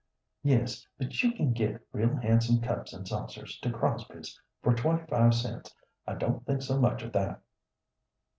"Yes, but you can get real handsome cups and saucers to Crosby's for twenty five cents. I don't think so much of that."